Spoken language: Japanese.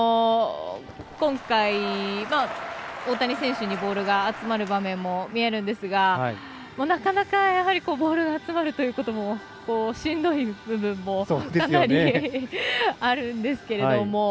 今回、大谷選手にボールが集まる場面も見えるんですが、なかなかボールが集まるということもしんどい部分もかなりあるんですけれども。